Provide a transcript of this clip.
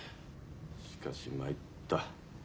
しかし参った。